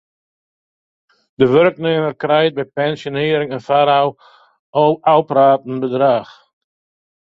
De wurknimmer kriget by pensjonearring in foarôf ôfpraat bedrach.